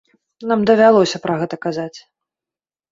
Нам давялося пра гэта казаць.